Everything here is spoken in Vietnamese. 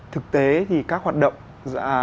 thực tế thì các hoạt động